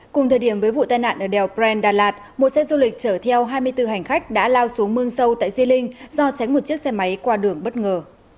cùng thời điểm với vụ tai nạn ở đèo brent đà lạt một xe du lịch chở theo hai mươi bốn hành khách đã lao xuống mương sâu tại di linh do tránh một chiếc xe máy qua đường bất ngờ